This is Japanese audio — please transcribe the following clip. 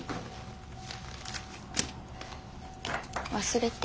忘れて。